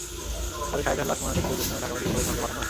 পরে শাহিদার লাশ ময়নাতদন্তের জন্য ঢাকা মেডিকেল কলেজ মর্গে পাঠানো হয়।